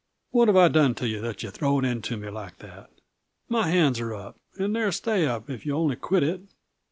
"What have I done to yuh that you throw it into me like that? My hands are up and they'll stay up if you'll only quit it."